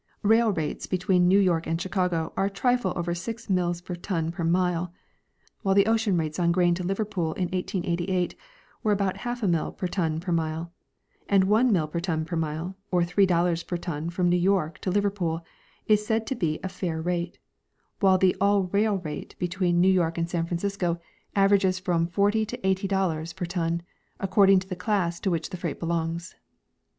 Rail rates between New York and Chicago are a trifle over six mills per ton per mile, while the ocean rates on grain to Liverpool in 1888 were about half a mill per ton per mile ; and one naill per ton per mile, or three dollars per ton from New York to Liver pool, is said to be a fair rate, while the all rail rate between New 14 G. G. Hubbard — Tlte Evolution of Commerce. York and San Francisco averages from forty to eighty dollars per ton, according to the class to which the freight belongs.